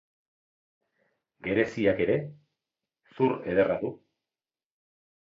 Gereziak ere zur ederra du.